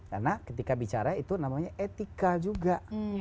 karena ketika bicara itu namanya etika juga